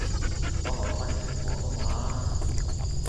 幫我翻譯成廣東話吖